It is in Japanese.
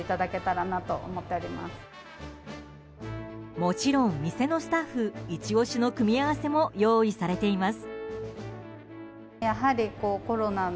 もちろん店のスタッフイチ押しの組み合わせも用意されています。